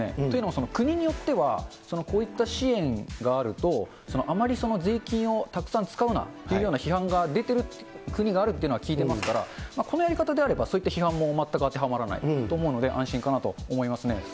というのは、国によってはこういった支援があると、あまり税金をたくさん使うなというような批判が出てる国があるというのは聞いていますから、このやり方であればそういった批判も全く当てはまらないと思うので、安心かなと思いますね。